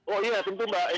oh iya tentu mbak